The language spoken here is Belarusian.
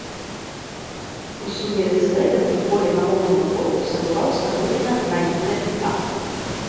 У сувязі з гэтым у холе галоўнага корпуса была ўстаноўлена гранітная пліта.